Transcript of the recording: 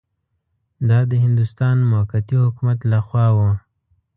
دا د هندوستان موقتي حکومت له خوا وه.